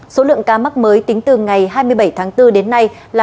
số lượng ca mắc mới tính từ ngày hai mươi bảy tháng bốn đến nay là năm bốn trăm hai mươi ca